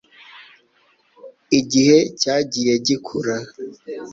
Igihe cyagiye gikura